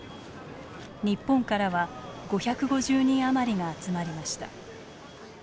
日本からは５５０人余りが集まりました。